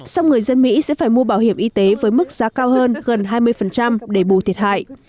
song người dân mỹ sẽ phải mua bảo hiểm y tế với mức giá cao hơn gần hai mươi để bù thiệt hại